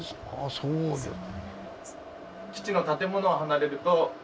そうですか。